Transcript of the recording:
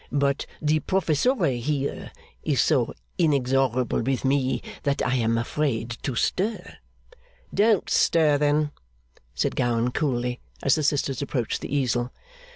'But the Professore here is so inexorable with me, that I am afraid to stir.' 'Don't stir, then,' said Gowan coolly, as the sisters approached the easel.